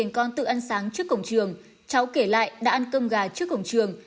cháu kể lại đã ăn cơm gà trước cổng trường